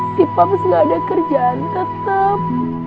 si pams gak ada kerjaan tetap